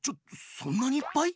そんなにいっぱい？